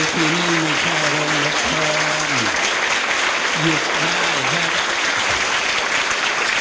จริงคืนนี้มีแค่เรา